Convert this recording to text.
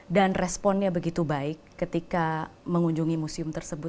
dan responnya begitu baik ketika mengunjungi museum tersebut